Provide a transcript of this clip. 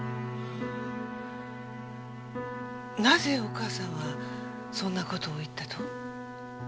なぜお母さんはそんな事を言ったと？